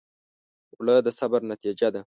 اوړه د صبر نتیجه ده